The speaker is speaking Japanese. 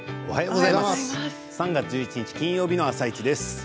おはようございます。